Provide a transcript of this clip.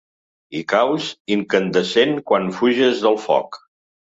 Hi caus, incandescent, quan fuges del foc.